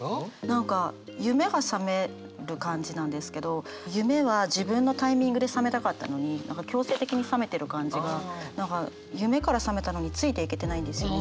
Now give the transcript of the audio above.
何か夢が覚める感じなんですけど夢は自分のタイミングで覚めたかったのに何か強制的に覚めてる感じが何か夢から覚めたのについていけてないんですよね